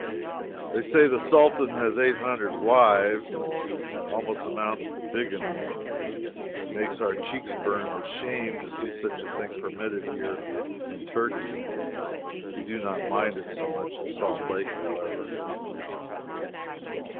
They say the Sultan has eight hundred wives. This almost amounts to bigamy. It makes our cheeks burn with shame to see such a thing permitted here in Turkey. We do not mind it so much in Salt Lake, however.